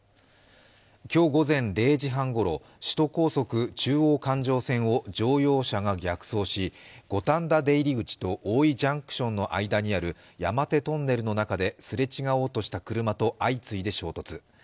今日午前０時半ごろ首都高速・中央環状線を乗用車が逆走し五反田出入口と大井ジャンクションの間にある山手トンネルの中ですれ違おうとした車と相次いで衝突。